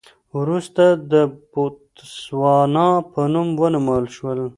وروسته د بوتسوانا په نوم ونومول شول.